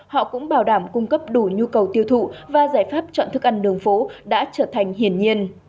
họ cũng bảo đảm cung cấp đủ nhu cầu tiêu thụ và giải pháp chọn thức ăn đường phố đã trở thành hiển nhiên